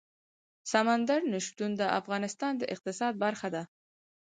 سمندر نه شتون د افغانستان د اقتصاد برخه ده.